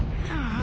あ。